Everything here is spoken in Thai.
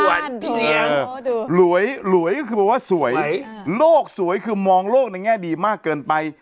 หยวนแม่บ้านหลวยหลวยก็คือบอกว่าสวยสวยโลกสวยคือมองโลกในแง่ดีมากเกินไป